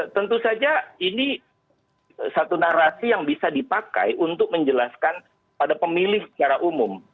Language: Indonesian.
tentu saja ini satu narasi yang bisa dipakai untuk menjelaskan pada pemilih secara umum